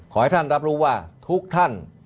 ขอให้ท่านรับรู้ว่าทุกท่าน